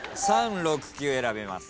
３６９選べます。